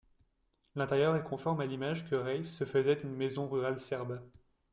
L'intérieur est conforme à l'image que Reiss se faisait d'une maison rurale serbe.